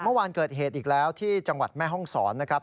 เมื่อวานเกิดเหตุอีกแล้วที่จังหวัดแม่ห้องศรนะครับ